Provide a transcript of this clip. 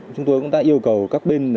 chúng tôi cũng đã yêu cầu các bên